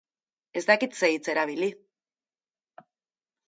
Ez dakit ze hitz erabili.